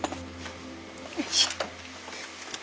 よいしょ。